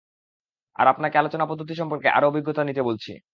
আর আপনাকে আলোচনা-পদ্ধতি সম্পর্কে আরও অভিজ্ঞতা নিতে বলছি।